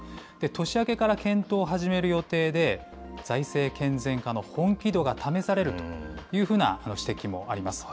年明けから検討を始める予定で、財政健全化の本気度が試されるというふうな指摘もあります。